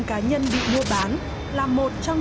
khi liên tiếp với các thông tin khách hàng